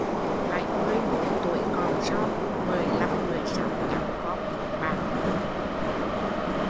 Bảy mươi mốt tuổi còn son, mười lăm mười sáu cháu con bộn bàng